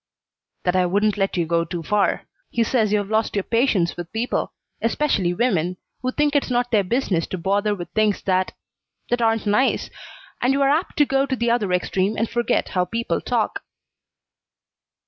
"That I wouldn't let you go too far. He says you've lost your patience with people, specially women, who think it's not their business to bother with things that that aren't nice, and you're apt to go to the other extreme and forget how people talk."